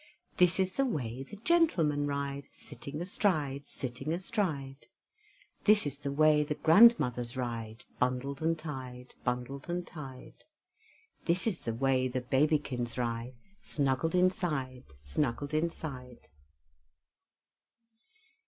This is the way the gentlemen ride Sitting astride, sitting astride! This is the way the grandmothers ride Bundled and tied, bundled and tied! This is the way the babykins ride Snuggled inside, snuggled inside!